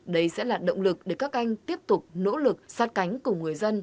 đây sẽ là động lực để các anh tiếp tục nỗ lực sát cánh cùng người dân